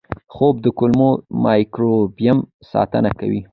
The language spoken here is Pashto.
خوب د کولمو مایکروبیوم ساتنه کوي.